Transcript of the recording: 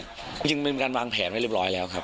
จริงมันมีการวางแผนไว้เรียบร้อยแล้วครับ